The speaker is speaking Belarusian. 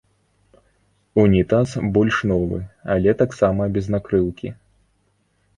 Унітаз больш новы, але таксама без накрыўкі.